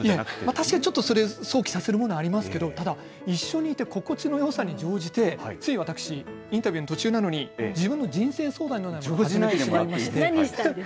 確かにちょっと、それ想起させるものありますけど、ただ、一緒にいて心地のよさに乗じて、つい私、インタビューの途中なのに、自分の人生相談のようなものを始めてしまいまして。